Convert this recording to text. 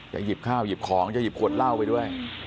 หยิบข้าวหยิบของจะหยิบขวดเหล้าไปด้วย